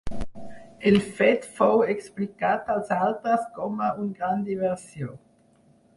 El fet fou explicat als altres com a una gran diversió.